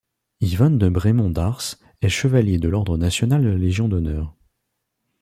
Yvonne de Bremond d'Ars est chevalier de l'ordre national de la Légion d'honneur.